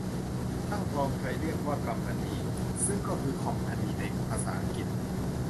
ช่างทองไทยเรียกว่ากำมนี ซึ่งก็คือคอมพานีในภาษาอังกฤษ